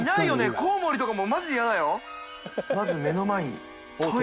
コウモリとかもマジで嫌だよ！